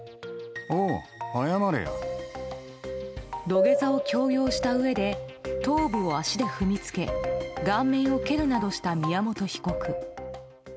土下座を強要したうえで頭部を足で踏みつけ顔面を蹴るなどした宮本被告。